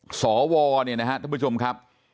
สวเนี่ยนะครับท่านผู้ชมครับ